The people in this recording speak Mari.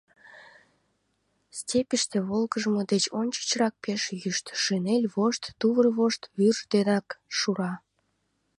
Степьыште волгыжмо деч ончычрак пеш йӱштӧ: шинель вошт, тувыр вошт вӱрж денак шура.